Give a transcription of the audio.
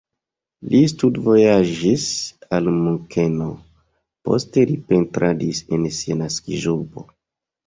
Li studvojaĝis al Munkeno, poste li pentradis en sia naskiĝurbo.